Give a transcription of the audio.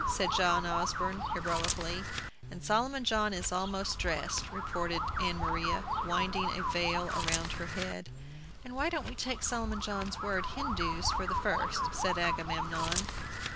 said John Osborne, heroically. "And Solomon John is almost dressed," reported Ann Maria, winding a veil around her head. "Why don't we take Solomon John's word 'Hindoos' for the first?" said Agamemnon.